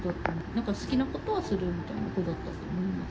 なんか好きなことはするみたいな子だったと思います。